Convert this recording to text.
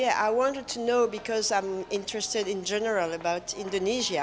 saya ingin mengetahui karena saya sangat berminat dengan indonesia